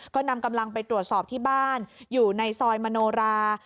ก็นำกำลังไปตรวจสอบที่บ้านอยู่ในซอยมโนรา